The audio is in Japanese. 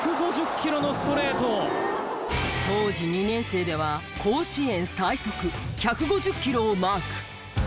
当時２年生では甲子園最速１５０キロをマーク。